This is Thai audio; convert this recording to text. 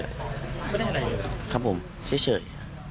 ไม่ได้อะไรเหรอครับครับผมเดี๋ยวเฉย